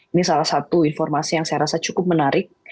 ini salah satu informasi yang saya rasa cukup menarik